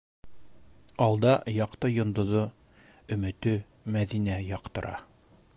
Алда яҡты йондоҙо - өмөтө Мәҙинә яҡтыра.